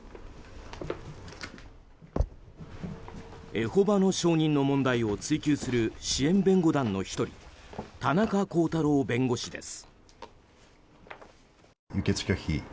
エホバの証人の問題を追及する支援弁護団の１人田中広太郎弁護士です。